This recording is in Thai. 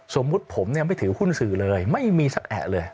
สมมุติผมเนี่ยไม่ถือหุ้นสื่อเลยไม่มีสักแอะเลย